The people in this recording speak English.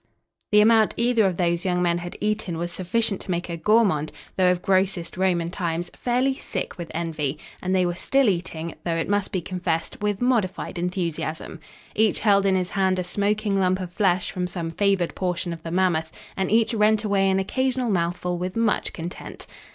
The amount either of those young men had eaten was sufficient to make a gourmand, though of grossest Roman times, fairly sick with envy, and they were still eating, though, it must be confessed, with modified enthusiasm. Each held in his hand a smoking lump of flesh from some favored portion of the mammoth and each rent away an occasional mouthful with much content.